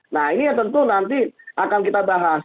nah ini tentu nanti akan kita bahas